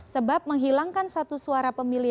sebab menghilangkan satu suara pemilih